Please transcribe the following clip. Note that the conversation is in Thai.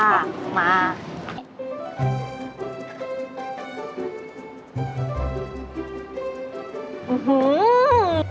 อื้อฮือ